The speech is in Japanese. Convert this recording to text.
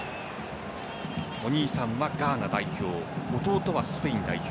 お兄さんはガーナ代表弟はスペイン代表。